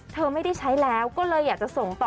เธอไม่ได้ใช้แล้วก็เลยจะส่ง